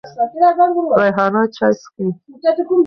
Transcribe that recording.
ریحانه چای څکې.